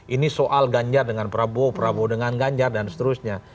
ini soal ganjar dengan prabowo prabowo dengan ganjar dan seterusnya